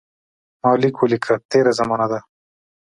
ما لیک ولیکه تېره زمانه ده.